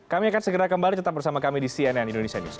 kami akan segera kembali tetap bersama kami di cnn indonesia newsro